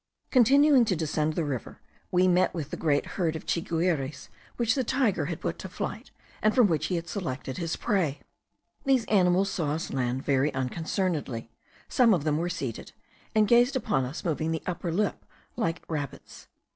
Continuing to descend the river, we met with the great herd of chiguires which the tiger had put to flight, and from which he had selected his prey. These animals saw us land very unconcernedly; some of them were seated, and gazed upon us, moving the upper lip like rabbits.